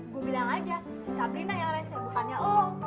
gue bilang aja si sabrina yang resip bukannya lo